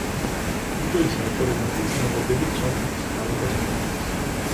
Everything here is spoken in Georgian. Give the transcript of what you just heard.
იდეის ავტორებმა კი წინადადებით სომხეთის მთავრობას მიმართეს.